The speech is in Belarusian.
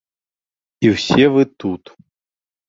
І ўсе вы тут!